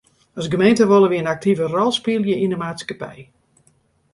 As gemeente wolle wy in aktive rol spylje yn de maatskippij.